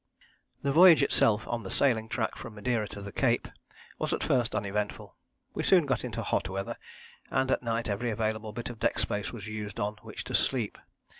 The voyage itself on the sailing track from Madeira to the Cape was at first uneventful. We soon got into hot weather, and at night every available bit of deck space was used on which to sleep.